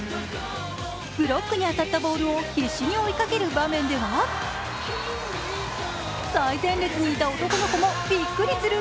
ブロックに当たったボールを必死に追いかける場面では最前列にいた男の子もびっくりする